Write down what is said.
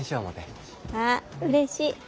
まあうれしい。